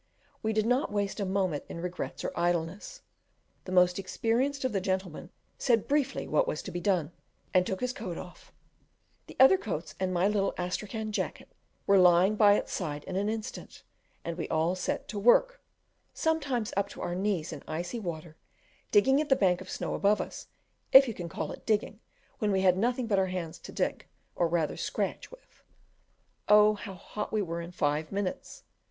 We did not waste a moment in regrets or idleness; the most experienced of the gentlemen said briefly what was to be done, and took his coat off; the other coats and my little Astrachan jacket were lying by its side in an instant, and we all set to work, sometimes up to our knees in icy water, digging at the bank of snow above us if you can call it digging when we had nothing but our hands to dig, or rather scratch, with. Oh, how hot we were in five minutes!